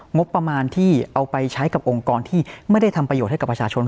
งบประมาณที่เอาไปใช้กับองค์กรที่ไม่ได้ทำประโยชน์ให้กับประชาชน